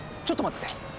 ちょっと待ってて。